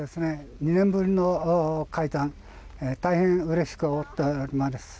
２年ぶりの開山大変うれしく思っております。